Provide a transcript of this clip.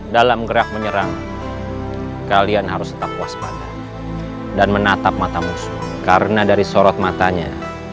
dalam gerak menyerang kalian harus tetap waspada dan menatap matamu karena dari sorot matanya